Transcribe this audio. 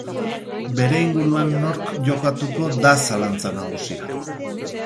Bere inguruan nork jokatuko da zalantza nagusia.